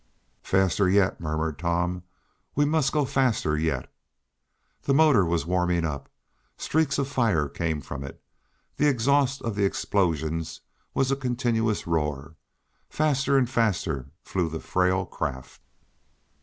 "Faster yet!" murmured Tom. "We must go faster yet!" The motor was warming up. Streaks of fire came from it. The exhaust of the explosions was a continuous roar. Faster and faster flew the frail craft.